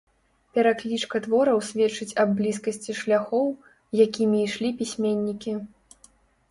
Пераклічка твораў сведчыць аб блізкасці шляхоў, якімі ішлі пісьменнікі.